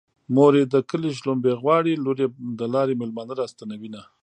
مور يې د کلي شومړې غواړي لور يې د لارې مېلمانه راستنوينه